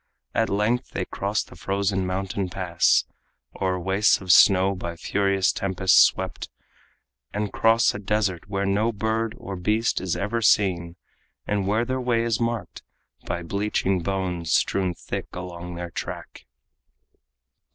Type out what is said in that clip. At length they cross the frozen mountain pass, O'er wastes of snow by furious tempests swept, And cross a desert where no bird or beast Is ever seen, and where their way is marked By bleaching bones strewn thick along their track.